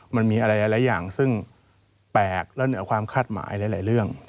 มันมีอะไรหลายอย่างซึ่งแปลกและเหนือความคาดหมายหลายเรื่อง